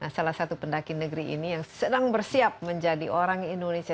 salah satu pendaki negeri ini yang sedang bersiap menjadi orang indonesia